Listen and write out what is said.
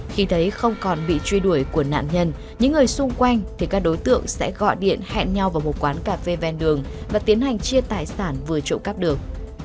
khi thấy không còn bị truy đuổi của nạn nhân những người xung quanh thì các đối tượng sẽ gọi điện hẹn nhau vào một quán cà phê ven đường và tiến hành chia tài sản vừa trộm cắp được